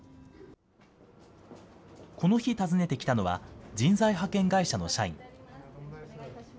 この日、訪ねてきたのは人材派遣会社の社員。